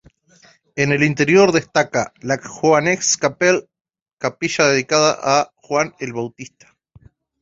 En el interior destaca la "Johannes-Kapelle", capilla dedicada a Juan el Bautista.